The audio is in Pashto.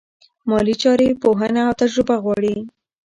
مالي چارې پوهنه او تجربه غواړي.